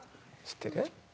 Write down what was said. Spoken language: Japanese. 知ってる？